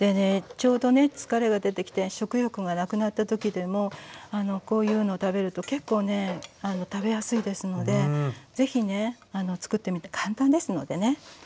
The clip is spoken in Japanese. ちょうどね疲れが出てきて食欲がなくなったときでもこういうの食べると結構ね食べやすいですのでぜひねつくってみて簡単ですのでね。